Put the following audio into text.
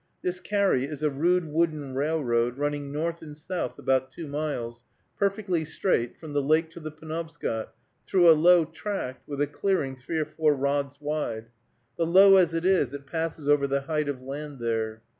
This carry is a rude wooden railroad, running north and south about two miles, perfectly straight, from the lake to the Penobscot, through a low tract, with a clearing three or four rods wide; but low as it is, it passes over the height of land there.